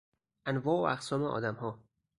انواع و اقسام آدمها